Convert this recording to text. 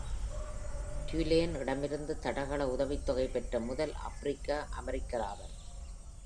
Tulane இடமிருந்து தடகள உதவித்தொகை பெற்ற முதல் ஆப்பிரிக்க அமெரிக்கர் இவர்.